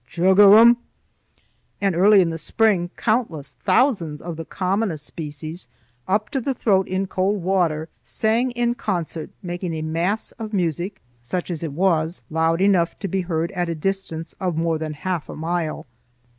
Jug o' rum_! and early in the spring, countless thousands of the commonest species, up to the throat in cold water, sang in concert, making a mass of music, such as it was, loud enough to be heard at a distance of more than half a mile.